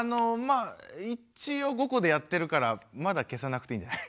あ一応５個でやってるからまだ消さなくていいんじゃない？